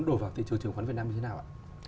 đổ vào thị trường chứng khoán việt nam như thế nào ạ